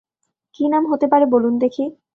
কী নাম হতে পারে বলুন দেখি?